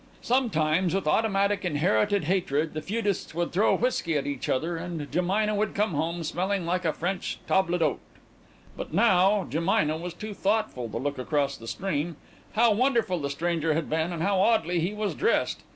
Sometimes, with automatic inherited hatred, the feudists would throw whiskey at each other, and Jemina would come home smelling like a French table d'hôte. But now Jemina was too thoughtful to look across the stream. How wonderful the stranger had been and how oddly he was dressed!